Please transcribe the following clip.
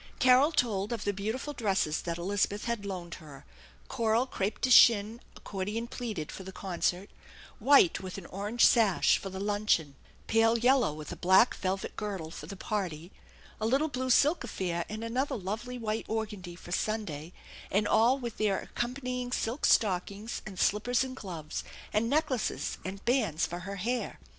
Carol told of the beautiful dresses that Elizabeth had loaned her, coral crepe de chine accordion plaited for the concert, white with an orange sash for the luncheon, pale yellow with a black velvet girdle for the party, a little blue silk affair and another lovely white organdie for Sunday, and all with their accompanying silk stockings and slippers and gloves, and necklaces and bands for her hair.